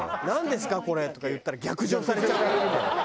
「“なんですかこれ”とか言ったら逆上されちゃう」